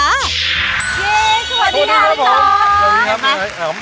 เย้สวัสดีค่ะพี่ต๊อก